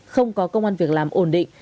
không có công an việc làm ổn định